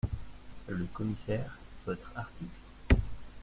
Le Commissaire Votre article ?…